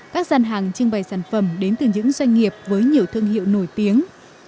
các gian hàng trưng bày sản phẩm đến từ những doanh nghiệp với nhiều thương hiệu nổi tiếng